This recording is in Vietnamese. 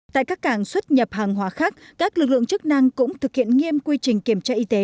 tại các cảng xuất nhập hàng hóa khác các lực lượng chức năng cũng thực hiện nghiêm quy trình kiểm tra y tế